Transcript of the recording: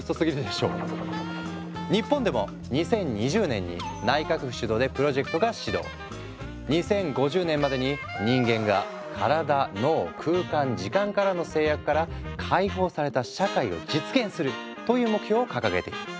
日本でも２０２０年に２０５０年までに人間が身体脳空間時間からの制約から解放された社会を実現するという目標を掲げている。